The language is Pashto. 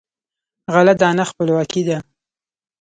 غله دانه خپلواکي ده.